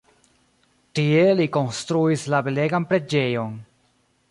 Tie li konstruis la belegan preĝejon.